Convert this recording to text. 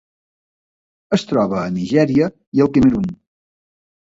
Es troba a Nigèria i el Camerun.